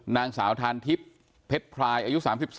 นางสาวทานทิพย์เพชรพรายอายุ๓๒